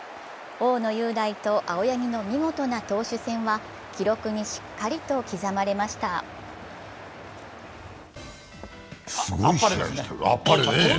大野雄大と青柳の見事な投手戦は記録にしっかりと刻まれまひ田。